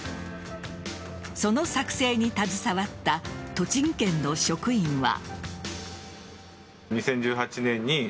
その作成に携わった栃木県の職員は。